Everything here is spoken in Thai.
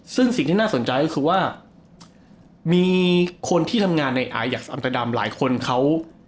ซึ่งสิ่งที่น่าสนใจก็คือว่ามีคนที่ทำงานในอายักษอัมตาดำหลายคนเขา